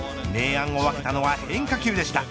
明暗を分けたのは変化球でした。